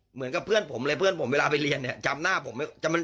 เหมือนกับเพื่อนผมเลยเพื่อนผมเวลาไปเรียน